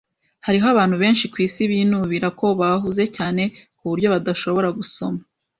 Hariho abantu benshi kwisi binubira ko bahuze cyane kuburyo badashobora gusoma.